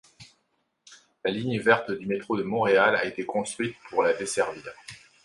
La ligne verte du métro de Montréal a été construite pour la desservir.